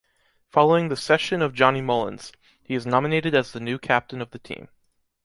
Following the cession of Johnny Mullins, he is nominated as the new captain of the team.